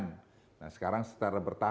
nah sekarang sekarang kita harus berjaga jaga